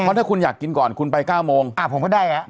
เพราะถ้าคุณอยากกินก่อนคุณไปเก้าโมงอ่าผมก็ได้อ่ะ